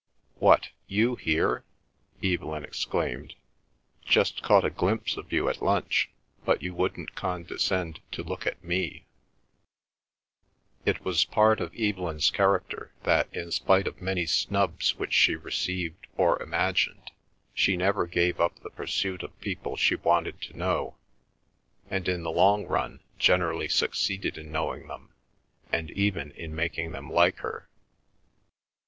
"What! You here?" Evelyn exclaimed. "Just caught a glimpse of you at lunch; but you wouldn't condescend to look at me." It was part of Evelyn's character that in spite of many snubs which she received or imagined, she never gave up the pursuit of people she wanted to know, and in the long run generally succeeded in knowing them and even in making them like her.